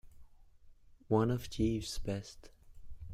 One of Jeeves's best.